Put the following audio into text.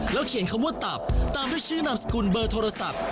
เขียนคำว่าตับตามด้วยชื่อนามสกุลเบอร์โทรศัพท์